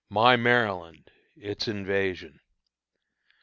"My Maryland:" Its Invasion.